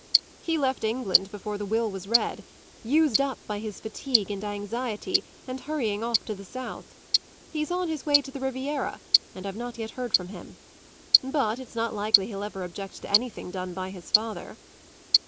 "He left England before the will was read used up by his fatigue and anxiety and hurrying off to the south. He's on his way to the Riviera and I've not yet heard from him. But it's not likely he'll ever object to anything done by his father."